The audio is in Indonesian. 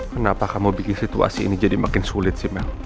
kenapa kamu bikin situasi ini jadi makin sulit sih mel